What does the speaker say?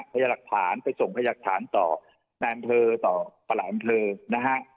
พยัลักษณ์ไปส่งพยักษณ์ต่อนามเพลิงต่อปลาอำเซิร์ส์นะฮะ